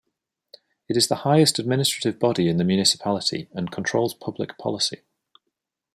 It is the highest administrative body in the municipality and controls public policy.